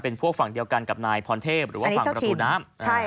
เป็นพวกฝั่งเดียวกันกับนายพรเทพหรือว่าฝั่งประตูน้ำ